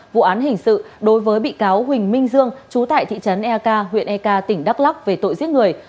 quán hình sự đối với bị cáo huỳnh minh dương trú tại thị trấn eka huyện eka tỉnh đắk lóc về tội giết người